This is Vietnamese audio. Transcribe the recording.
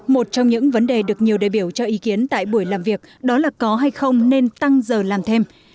một trong những vấn đề được nhiều đề biểu cho ý kiến tại buổi làm việc đó là có hay không nên tăng giờ làm thêm